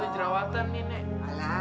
gerawatan nih nek